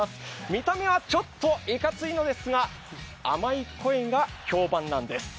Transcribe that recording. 見た目はちょっといかついのですが、甘い声が評判なんです。